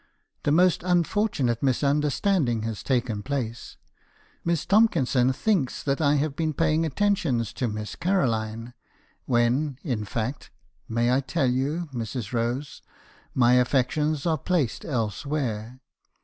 " 'The most unfortunate misunderstanding has taken place. Miss Tomkinson thinks that I have been paying attentions to Miss Caroline; when, in fact — may I tell you, Mrs. Rose? — my affections are placed elsewhere.